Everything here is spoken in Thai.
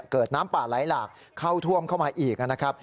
เกิดน้ำป่าไหลหลากเข้าท่วมเข้ามาอีกนะครับ